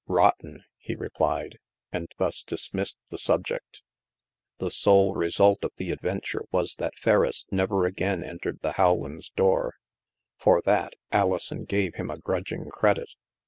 " Rotten," he replied, and thus dismissed the sub ject. The sole result of the adventure was that Ferriss never again entered the Rowlands' door. For that, Alison gave him a grudging credit.